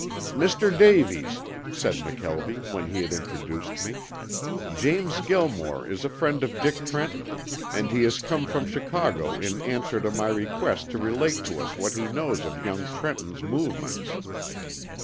"Mr. Davies," said McKelvie when he had introduced me, "James Gilmore is a friend of Dick Trenton, and he has come from Chicago in answer to my request to relate to us what he knows of young Trenton's movements."